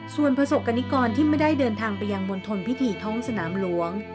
ส่วนประสบกรณิกรที่ไม่ได้เดินทางไปยังมณฑลพิธีท้องสนามหลวง